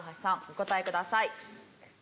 お答えください。